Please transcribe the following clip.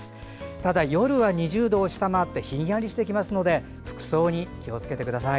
ただ夜は２０度を下回ってひんやりしてきますので服装に気をつけてください。